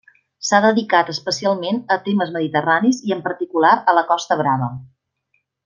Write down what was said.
S'ha dedicat especialment a temes mediterranis i en particular a la Costa Brava.